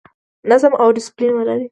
نظم او ډیسپلین ولرئ